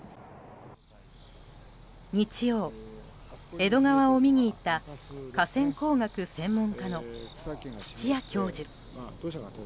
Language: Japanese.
日曜、江戸川を見に行った河川工学専門家の土屋教授。